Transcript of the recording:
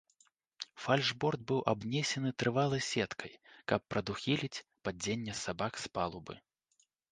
Фальшборт быў абнесены трывалай сеткай, каб прадухіліць падзенне сабак з палубы.